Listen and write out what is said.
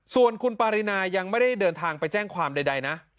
ส่วนคุณปารินายังไม่ได้เดินทางไปแจ้งความใดนะ